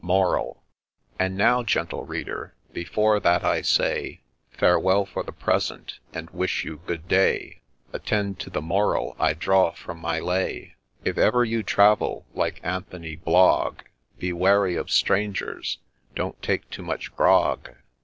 MORAL. And now, Gentle Reader, before that I say Farewell for the present, and wish you good day, Attend to the moral I draw from my lay !— If ever you travel, like Anthony Blogg, Be wary of strangers !— don't take too much grog